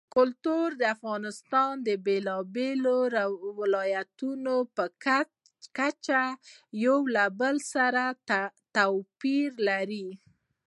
کلتور د افغانستان د بېلابېلو ولایاتو په کچه یو له بل سره توپیر لري.